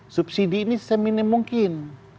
subsidi ini seminim mungkin